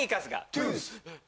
トゥース。